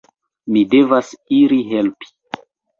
Mi devas iri helpi.